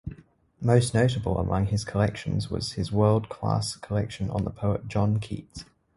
Most notable among his collections was his world-class collection on the poet John Keats.